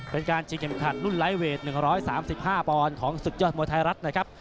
เป็นการชิงเข็มขัดรุ่นไลฟ์เวท๑๓๕ปอนด์ของศึกยอดมวยไทยรัฐนะครับ